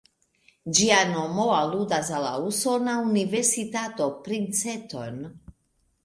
Ĝia nomo aludas al la usona Universitato Princeton.